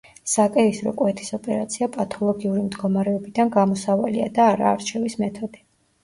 საკეისრო კვეთის ოპერაცია პათოლოგიური მდგომარეობიდან გამოსავალია და არა არჩევის მეთოდი.